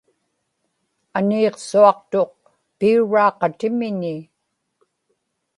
aniiqsuaqtuq piuraaqatimiñi